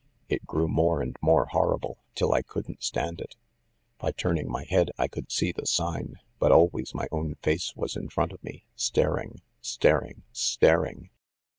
It grew more and more horrible, till I couldn't stand it. By turning my head I could see the sign, but always my own face was in front of me, staring, staring, staring.